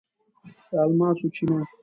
د الماسو چینه